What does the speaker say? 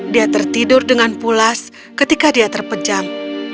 dia tertidur dengan pulas ketika dia terpejam